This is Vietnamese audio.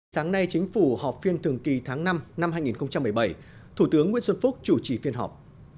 sáng nay chính phủ họp phiên thường kỳ tháng năm năm hai nghìn một mươi bảy thủ tướng nguyễn xuân phúc chủ trì phiên họp